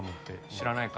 知らないかな？